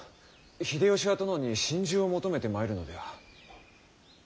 秀吉は殿に臣従を求めてまいるのでは？